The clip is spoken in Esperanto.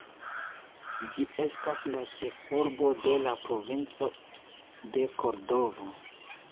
Ĝi estas la ĉefurbo de la provinco de Kordovo.